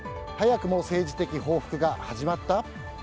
早くも政治的報復が始まった？